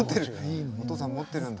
お父さん持ってるんだ。